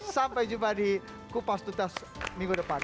sampai jumpa di kupas tuntas minggu depan